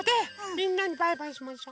みんなにバイバイしましょ。